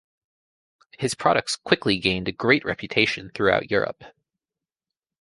His products quickly gained a great reputation throughout Europe.